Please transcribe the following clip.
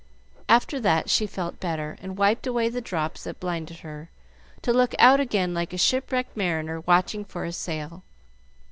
After that she felt better, and wiped away the drops that blinded her, to look out again like a shipwrecked mariner watching for a sail.